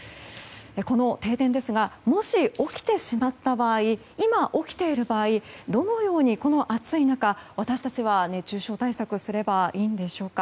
この停電ですがもし起きてしまった場合今、起きている場合どのようにこの暑い中私たちは熱中症対策すればいいんでしょうか。